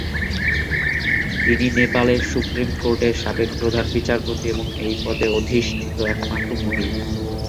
তিনি নেপালের supreme court এর সাবেক প্রধান বিচারপতি এবং এই পদে অধিষ্ঠিত একমাত্র মহিলা।